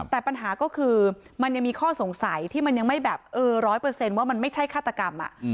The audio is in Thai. แต่ปัญหาก็คือมันยังมีข้อสงสัยที่มันยังไม่แบบเออร้อยเปอร์เซ็นต์ว่ามันไม่ใช่คาตกรรมอ่ะ